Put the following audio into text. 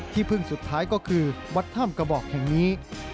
ที่พึ่งสุดท้ายก็คือวัดถ้ำกระบอกแห่งนี้